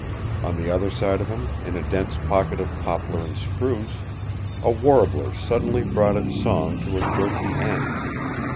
On the other side of him, in a dense pocket of poplar and spruce, a warbler suddenly brought its song to a jerky end.